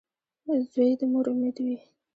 • زوی د مور امید وي.